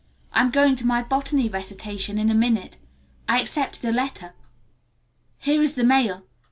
"I'm going to my botany recitation in a minute. I expected a letter. Here is the mail."